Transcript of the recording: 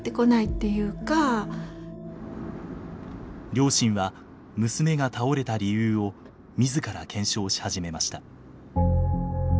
両親は娘が倒れた理由を自ら検証し始めました。